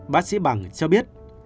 bác sĩ bằng cho biết